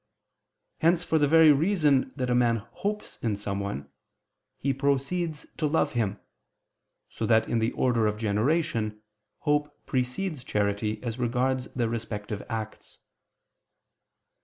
Hence for the very reason that a man hopes in someone, he proceeds to love him: so that in the order of generation, hope precedes charity as regards their respective acts.